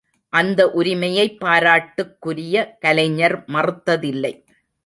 அந்த உரிமையைப் பாராட்டுக்குரிய கலைஞர் மறுத்ததில்லை.